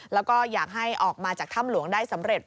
แล้วก็อยากให้ออกมาจากถ้ำหลวงได้สำเร็จ